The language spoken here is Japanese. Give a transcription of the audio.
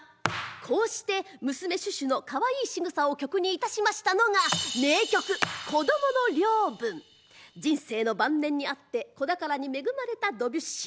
こうして娘シュシュのかわいいしぐさを曲にいたしましたのが人生の晩年にあって子宝に恵まれたドビュッシー。